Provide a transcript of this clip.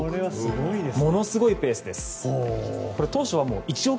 ものすごいペースです。